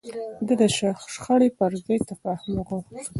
ده د شخړې پر ځای تفاهم غوښت.